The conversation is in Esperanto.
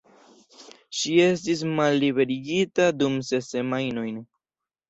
Ŝi estis malliberigita dum ses semajnojn.